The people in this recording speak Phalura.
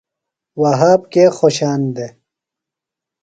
وھاب کے خوشان دےۡ؟